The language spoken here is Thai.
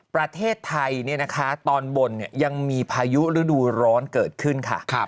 ประเทศไทยตอนบนยังมีพายุฤดูร้อนเกิดขึ้นค่ะ